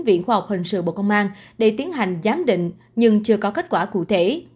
viện khoa học hình sự bộ công an để tiến hành giám định nhưng chưa có kết quả cụ thể